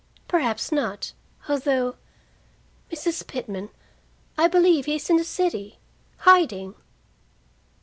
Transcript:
"Perhaps not, although Mrs. Pitman, I believe he is in the city, hiding!"